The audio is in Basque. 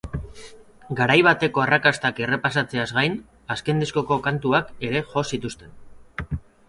Garai bateko arrakastak errepasatzeaz gain, azken diskoko kantuak ere jo zituzten.